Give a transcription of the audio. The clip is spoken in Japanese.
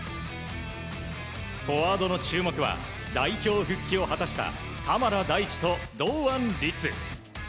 フォワードの注目は代表復帰を果たした鎌田大地と堂安律。